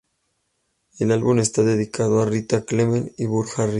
El álbum está dedicado a Rita Clement y Burt Harris.